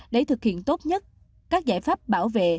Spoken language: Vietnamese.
để thực hiện tốt nhất các giải pháp bảo vệ